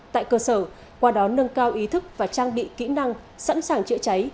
tại cơ sở qua đó nâng cao ý thức và trang bị kỹ năng sẵn sàng chữa cháy